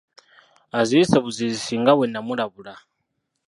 Azirise buzirisi nga bwe nnamulabula.